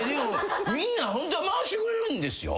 みんな回してくれるんですよ。